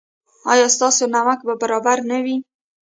ایا ستاسو نمک به برابر نه وي؟